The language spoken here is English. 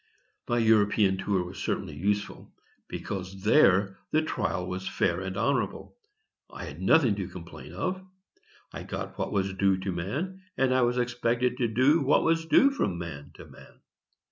My European tour was certainly useful, because there the trial was fair and honorable. I had nothing to complain of. I got what was due to man, and I was expected to do what was due from man to man.